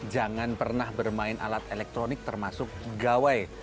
jangan pernah bermain alat elektronik termasuk gawai